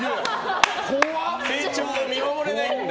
成長を見守れないんだ。